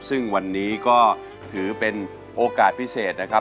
ซึ่งวันนี้ก็ถือเป็นโอกาสพิเศษนะครับ